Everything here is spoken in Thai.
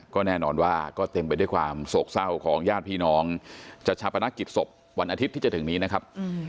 ก็แน่นอนว่าก็เต็มไปด้วยความโศกเศร้าของญาติพี่น้องจัดชาปนกิจศพวันอาทิตย์ที่จะถึงนี้นะครับ